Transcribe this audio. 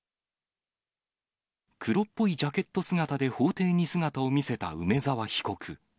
黒っぽいジャケット姿で法廷に姿を見せた梅沢被告。